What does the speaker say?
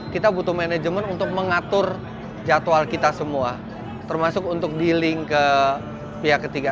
kita butuh manajemen untuk mengatur jadwal kita semua termasuk untuk dealing ke pihak ketiga